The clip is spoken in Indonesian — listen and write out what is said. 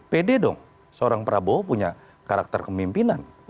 pede dong seorang prabowo punya karakter kemimpinan